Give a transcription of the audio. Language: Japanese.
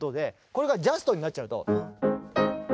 これがジャストになっちゃうと。